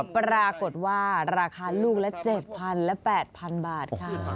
ปรากฏว่าราคาลูกละ๗๐๐๐บาทและ๘๐๐๐บาท